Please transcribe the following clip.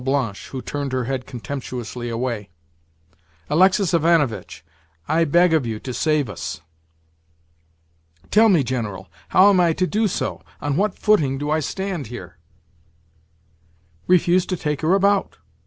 Blanche, who turned her head contemptuously away). "Alexis Ivanovitch, I beg of you to save us." "Tell me, General, how am I to do so? On what footing do I stand here?" "Refuse to take her about.